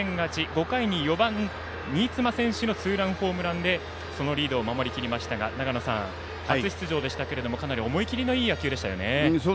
５回に４番、新妻選手のツーランホームランでそのリードを守りきりましたが初出場でしたけれどもかなり思い切りのいい野球でした。